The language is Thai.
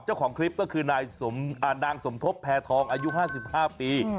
เจ้าของคลิปก็คือนายนางสมทบแพทองอายุ๕๕ปี